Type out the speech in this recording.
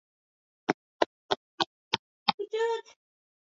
Kwa kushangaza katika msitu huu wa kitropiki